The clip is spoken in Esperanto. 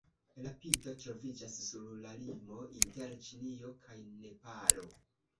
La pinto troviĝas sur la limo inter Ĉinio kaj Nepalo.